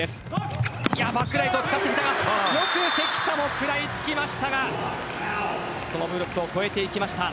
よく関田も食らいつきましたがそのブロックを越えていきました。